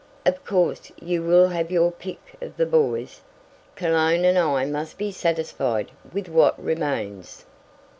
Of course you will have your pick of the boys, Cologne and I must be satisfied with what remains."